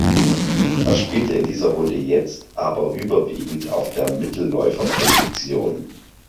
Er spielte in dieser Runde jetzt aber überwiegend auf der Mittelläuferposition.